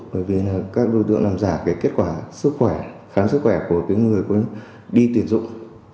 bởi vì các đối tượng làm giả kết quả khám sức khỏe của người đi tuyển dụng